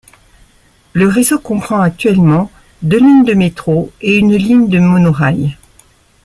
Le réseau comprend actuellement deux lignes de métro et une ligne de monorail.